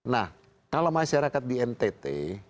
nah kalau masyarakat di ntt